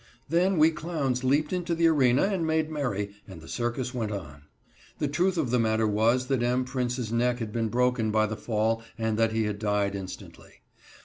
Then we clowns leaped into the arena and made merry, and the circus went on. The truth of the matter was that M. Prince's neck had been broken by the fall and that he had died instantly.